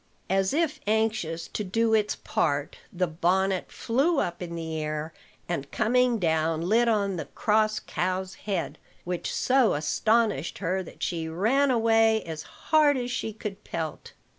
As if anxious to do its part, the bonnet flew up in the air, and coming down lit on the cross cow's head; which so astonished her that she ran away as hard as she could pelt.